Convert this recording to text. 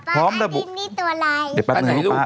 พ่อป๊าอาจริงมีตัวไร